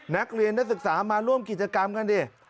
นักเรียนนักศึกษามาร่วมกิจกรรมกันดิ